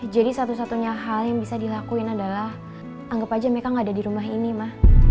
jadi satu satunya hal yang bisa dilakuin adalah anggap aja meka gak ada di rumah ini ma